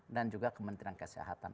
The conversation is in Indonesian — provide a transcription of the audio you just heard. dan juga kementerian kesehatan